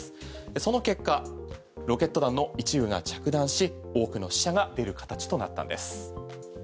その結果ロケット弾の一部が着弾し多くの死者が出る形となったんです。